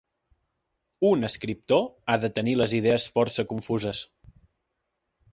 Un escriptor ha de tenir les idees força confuses.